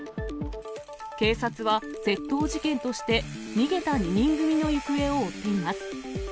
警察は窃盗事件として、逃げた２人組の行方を追っています。